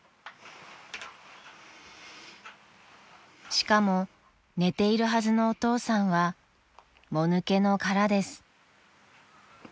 ［しかも寝ているはずのお父さんはもぬけの殻です］